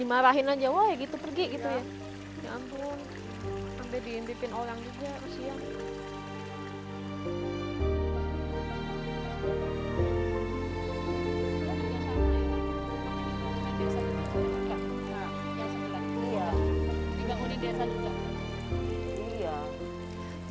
sampai diintipin orang juga kesian